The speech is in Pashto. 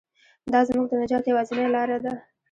دا زموږ د نجات یوازینۍ لاره ده.